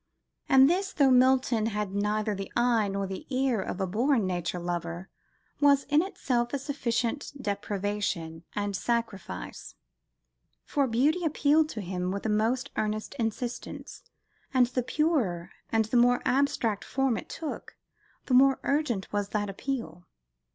And this, though Milton had neither the eye nor the ear of a born nature lover, was in itself a sufficient deprivation and sacrifice. For beauty appealed to him with a most earnest insistence, and the purer, the more abstract form it took, the more urgent was that appeal.